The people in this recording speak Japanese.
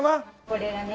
これがね